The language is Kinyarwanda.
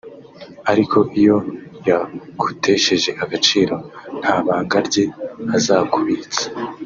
ariko iyo yagutesheje agaciro nta banga rye azakubitsa